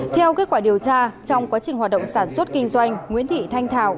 theo kết quả điều tra trong quá trình hoạt động sản xuất kinh doanh nguyễn thị thanh thảo